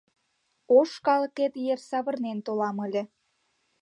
Ош калыкет йыр савырнен толам ыле.